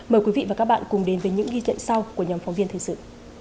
mời quý vị và các bạn cùng đến với những ghi dạy sau của nhóm phóng viên thực sự